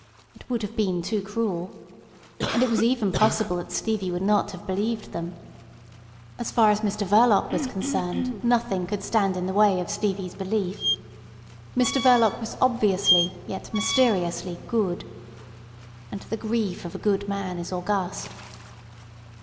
It would have been too cruel. And it was even possible that Stevie would not have believed them. As far as Mr Verloc was concerned, nothing could stand in the way of Stevie's belief. Mr Verloc was obviously yet mysteriously good. And the grief of a good man is august.